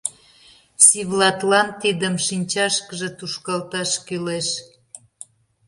Сивлатлан тидым шинчашкыже тушкалташ кӱлеш.